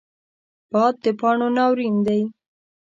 باد د پاڼو ناورین دی